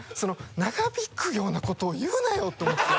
長引くようなことを言うなよ！と思って。